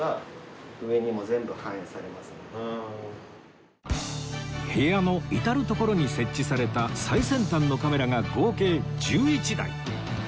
部屋の至る所に設置された最先端のカメラが合計１１台